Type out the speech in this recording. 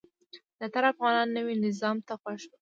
زیاتره افغانان نوي نظام ته خوښ وو.